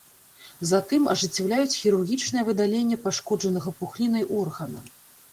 Затым ажыццяўляюць хірургічнае выдаленне пашкоджанага пухлінай органа.